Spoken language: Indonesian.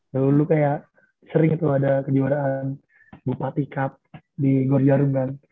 dulu kayak sering tuh ada kejuaraan bupati cup di gorjarum kan